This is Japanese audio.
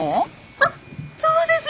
あっそうです！